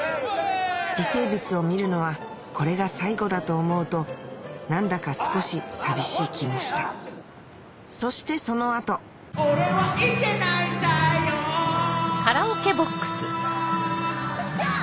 微生物を見るのはこれが最後だと思うと何だか少し寂しい気もしたそしてその後オレはイケナイ太陽福ちゃん！